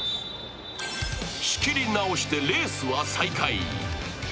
仕切り直してレースは再開。